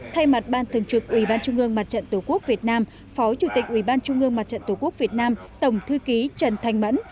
thay mặt ban thường trực ubndtqvn phó chủ tịch ubndtqvn tổng thư ký trần thanh mẫn